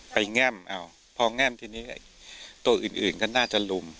แง่มเอาพอแง่มทีนี้ตัวอื่นก็น่าจะลุม